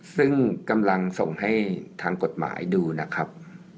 ซึ่งกำลังส่งให้ทางกฎหมายดูนะครับ